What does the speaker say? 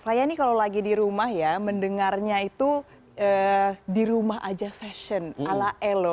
saya ini kalau lagi di rumah ya mendengarnya itu di rumah aja session ala elo